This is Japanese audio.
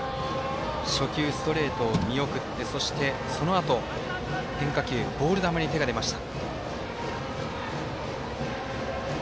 初球ストレートを見送ってそして、そのあと変化球ボール球に手が出ました。